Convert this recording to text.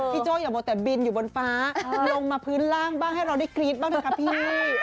โจ้อย่ามัวแต่บินอยู่บนฟ้าลงมาพื้นล่างบ้างให้เราได้กรี๊ดบ้างนะคะพี่